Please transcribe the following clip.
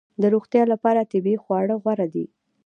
د روغتیا لپاره طبیعي خواړه غوره دي